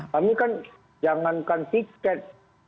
kami kan jangankan tiket